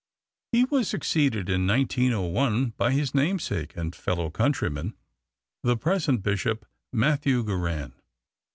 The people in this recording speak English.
He was succeeded in 1901 by his namesake and fellow countryman, the present Bishop Matthew Gaughran.